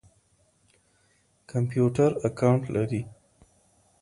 کمپيوټر اکاونټ لري.